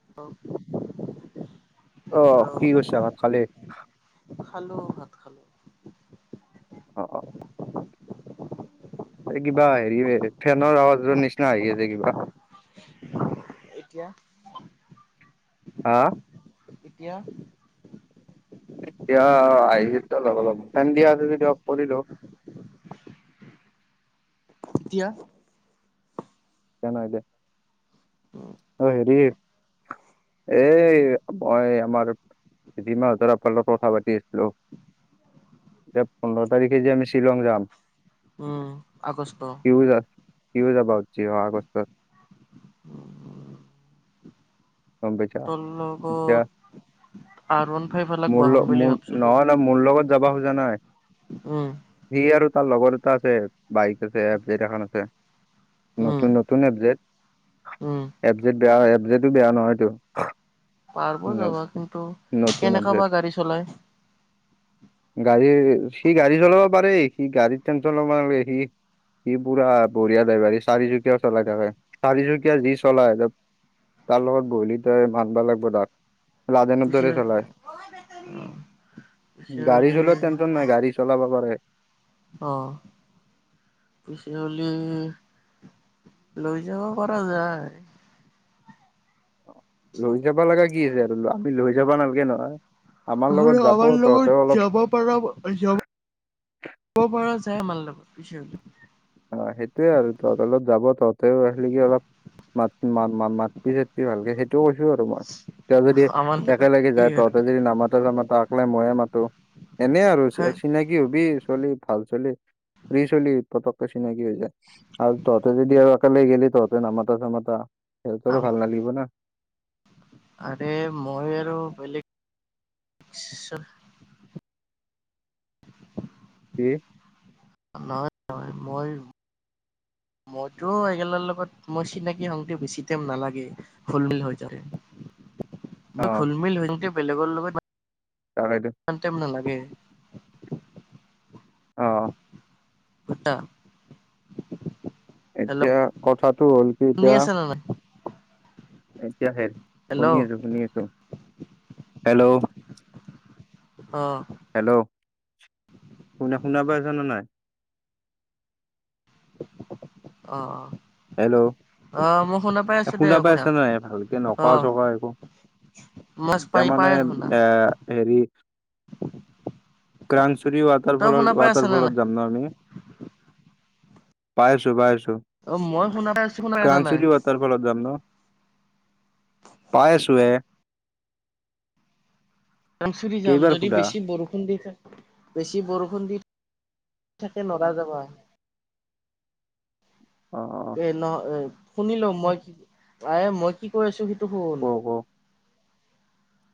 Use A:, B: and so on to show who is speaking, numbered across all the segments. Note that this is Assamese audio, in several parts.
A: [inaudible]
B: অ' কি কৰিছা ভাত খালি
A: খালোঁ ভাত খালোঁ
B: [inaudible] এই কিবা হেৰি ফেনৰ আৱাজৰ নিচিনা আহি আছে কিবা
A: এতিয়া
B: হা
A: এতিয়া
B: এতিয়া আহিচে অলপ অলপ ফেন দিয়া আছে যদি অফ কৰিল
A: এতিয়া
B: অ' হেৰি এ মই আমাৰ যিমানাহঁতৰ আপালৰ কথা পাতি আছিলো এতিয়া পোন্ধৰ তাৰিখে যে আমি শ্বিলং যাম
A: উম আগষ্ট
B: [unintelligible] গম পাইছা
A: তোৰ লগত
B: এতিয়া
A: আৰ ওৱান ফাইভ এলাক
B: মোৰ
A: বহাম
B: লগত
A: বুলি
B: ন
A: ভাবছিলো
B: ন মোৰ লগত যাবা খোজা নাই
A: উম
B: সি আৰু তাৰ লগৰ এটা আছে বাইক আছে এফ জেড এখন আছে
A: উম
B: নতুন নতুন এপজেট
A: উম
B: এপ জেট বেয়া এপ জেতটো বেয়া নহয়তটো
A: পাৰব যাবা কিন্তু
B: নতুন
A: কেনেকা
B: এপজেট
A: বা গাড়ী চলাই
B: গাড়ী সি গাড়ী চলাব পাৰে সি গাড়ীত টেনচন লব নালাগে সি ই পুৰা বঢিয়া ডাইভাৰ চাৰিচুকীয়া চলাই থাকে চাৰিচুকীয়া যি চলাই তাৰ লগত বহলি তাই মানবা লাগিব তাক লাডেনৰ দৰে চলাই
A: [inaudible]
B: গাড়ী চলোৱা টেনচন নাই গাড়ী
A: [inaudible]
B: চলাব পাৰে
A: অ' পিছে হলি লৈ যাব পৰা যায়
B: লৈ যাব লাগা কি আছে আৰু আমি লৈ যাব নালাগে নহয়! আমাৰ লগত
A: হলো
B: যাব
A: আমাৰ
B: তহঁতেও
A: লগত
B: অলপ
A: যাব - পৰা যাব, যাব পৰা যায় আমাৰ লগত পিছে সেইটো
B: অ' সেইটোয়ে আৰু তহঁতৰ লগত যাব তহঁতেও আহিলি গে অলপ - মাতি মা মা চাতি ভালকে সেইটোও কৈছো আৰু মই এতিয়া যদি
A: আমাৰ লগত
B: একেলগে
A: কি
B: যায়
A: আৰু
B: তহঁতে যদি নামাতে যামাতা আকলাই ময়ে মাতো- এনেই আৰু
A: হয়
B: চিনাকি হবি ছোৱালী ভাল ছোৱালী ফ্ৰী ছোৱালী পতক- চিনাকি হৈ যায়, আৰু তহতে যদি আৰু একালে গেলি তহঁতে নামাতা চামাতা - সিহঁতৰো ভাল নালাগিব না।
A: আৰে মই আৰু বেলেগ
B: কি?
A: নহয় নহয় মই - মইতো এইগেলৰ লগত মই চিনাকি সংগতে বেছি টাইম নালাগে। ঘোল মিল হৈ যাওতে, মই
B: অ',
A: ঘোল মিল হৈ যাওতে বেলেগৰ লগত ইমান -
B: তাকে তো।
A: ইমান টাইম নালাগে -
B: অ,
A: কত আছা?
B: এতিয়া
A: হেল্ল'
B: কথাটো হ'ল কি
A: শুনি আছা নে নাই?
B: এতিয়াহে
A: হেল্ল'
B: শুনি আছো
A: অ
B: শুনি আছো। হেল্লো'
A: অ,
B: হেল্লো' শুনা, শুনা পাই আছা নে নাই?
A: আ আ,
B: হেল্লো' এ
A: দে
B: শুনা পাই
A: কথা
B: আছ নাই ভালকে
A: অ
B: নক‌ও চক‌ও একো।
A: মই
B: তাৰ
A: পাই
B: মানে
A: পাই আছো শুনা
B: এ হেৰি - ক্ৰাংচুৰী
A: তই
B: ৱাটাৰফলৰ
A: শুনা পাই আছ নে নাই
B: ৱাটাৰফলত যাম ন আমি? পাইছো পাইছো।
A: অ মই শুনা পাইছো।
B: ক্ৰাংচুৰি ৱাটাৰফলত যাম ন। পায় আছো এ।
A: ক্ৰাংচুুৰি যাম,
B: কেইবাৰ
A: যদি
B: সোধা
A: বেছি বৰষুণ দি থাকে - বেছি বৰষুণ দি থাকে নৰা যাবা।
B: অ অ,
A: নহয় এ শুনিল মই কি, আৰে মই কি কৈ আছো সেইটো শুন।
B: ক ক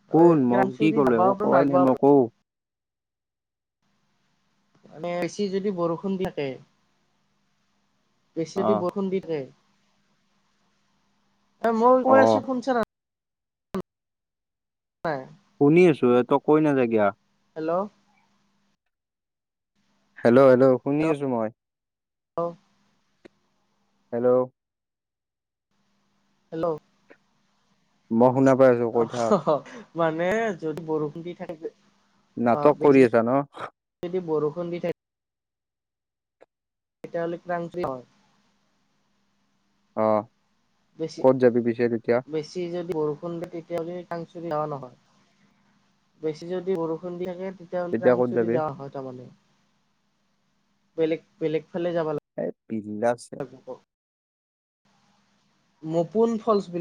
B: শুন মই কি
A: কেৰাংচুৰি
B: ক'লে
A: যাবা
B: একো
A: পাৰো
B: কোৱাই
A: নাযাবা
B: নাই মই কও।
A: মানে বেছি যদি বৰষুণ দি থাকে। বেছি
B: অ
A: যদি বৰষুণ দি থাকে - এ মই
B: অ
A: কৈ আছো শুনছা নাই? নাই,
B: শুনি আছো এ, তই কৈ নাযায় কিয়।
A: হেল্লো'
B: হেল্লো' হেল্লো' শুনি আছো মই।
A: হেল্লো
B: হেল্লো'
A: হেল্লো'
B: মই শুনা পাই আছো। কৈ থাক
A: অ', মানে যদি বৰষুণ দি থাকে
B: নাটক
A: বেছি
B: কৰি আছা ন।
A: যদি বৰষুণ দি থাকে তেতিয়া হ'লে ক্ৰান্তীয় হয়।
B: অ'।
A: বেছি
B: ক'ত যাবি পিছে তেতিয়া
A: বেছি যদি বৰষুণ দিয়ে তেতিয়াহ'লে [unintelligible] বেছি যদি বৰষুণ দি থাকে তেতিয়াহ'লে
B: তেতিয়া ক'ত
A: ৰাংচুৰি
B: যাবি
A: যাৱা হয় তাৰমানে। বেলেগ বেলেগ ফালে যাবা লাগে।
B: এই বিন্দাছ।
A: মোকোন ফলচ বি